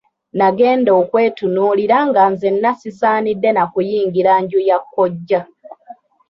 Nagenda okwetunuulira nga nzenna sisaanidde na kuyingira nju ya kkojja.